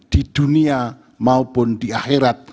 di dunia maupun di akhirat